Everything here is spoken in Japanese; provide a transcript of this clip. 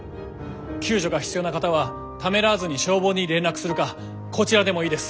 救助が必要な方はためらわずに消防に連絡するかこちらでもいいです。